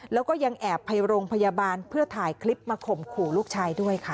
แล้วก็ยังแอบไปโรงพยาบาลเพื่อถ่ายคลิปมาข่มขู่ลูกชายด้วยค่ะ